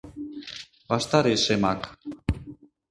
Ваштарешемак.